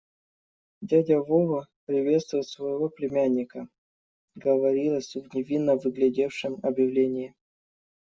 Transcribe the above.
«Дядя Вова приветствует своего племянника», - говорилось в невинно выглядевшем объявлении.